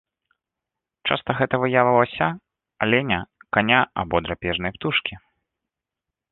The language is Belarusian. Часта гэта выява лася, аленя, каня або драпежнай птушкі.